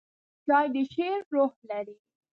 چای د شعر روح لري.